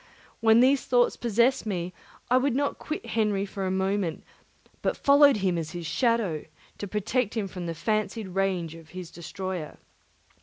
When these thoughts possessed me, I would not quit Henry for a moment, but followed him as his shadow, to protect him from the fancied rage of his destroyer.